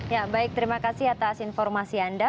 ya baik terima kasih atas informasi anda